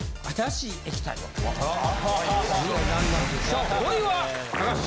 さあ５位は高橋。